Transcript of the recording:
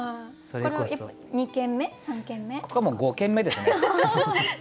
ここはもう５軒目ですね。